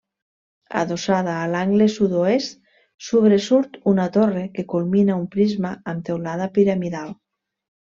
Adossada a l'angle sud-oest sobresurt una torre que culmina un prisma amb teulada piramidal.